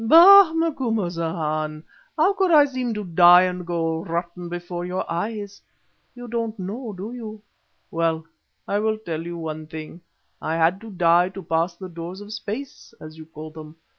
"Bah! Macumazahn. How could I seem to die and go rotten before your eyes? You don't know, do you? Well, I will tell you one thing. I had to die to pass the doors of space, as you call them.